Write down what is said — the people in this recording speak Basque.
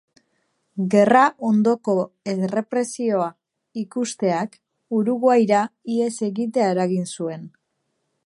Gerra ondoko errepresioa ikusteak Uruguaira ihes egitea eragin zuen.